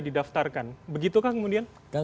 didaftarkan begitukah kemudian